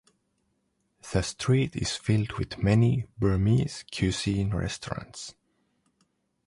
The street is filled with many Burmese cuisine restaurants.